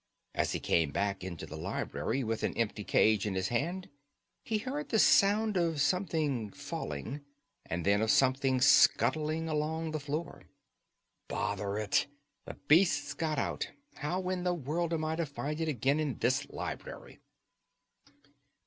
As he came back into the library with an empty cage in his hand he heard the sound of something falling, and then of something scuttling along the floor. "Bother it! The beast's got out. How in the world am I to find it again in this library!"